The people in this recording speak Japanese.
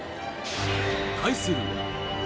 対するは